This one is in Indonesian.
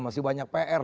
masih banyak pr